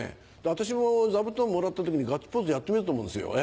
私も座布団もらった時にガッツポーズやってみようと思うんですよ。